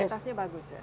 kualitasnya bagus ya